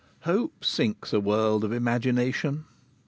Hope sinks a world of imagination.